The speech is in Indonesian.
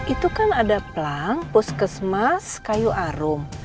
itu kan ada pelang puskesmas kayu arum